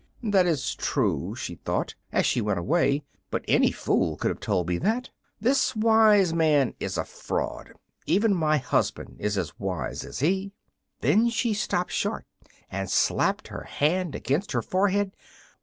"That is true," she thought, as she went away; "but any fool could have told me that. This wise man is a fraud; even my husband is as wise as he." Then she stopped short and slapped her hand against her forehead.